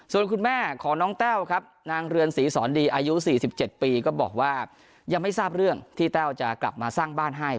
ส่วนคุณแม่ของน้องแต้วครับนางเรือนศรีสอนดีอายุ๔๗ปีก็บอกว่ายังไม่ทราบเรื่องที่แต้วจะกลับมาสร้างบ้านให้